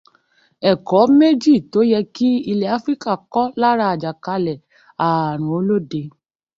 Ẹ̀kọ́ mẹ́jọ tó yẹ kí ilẹ̀ Áfíríkà kọ́ lára àjàkálẹ̀ ààrùn olóde.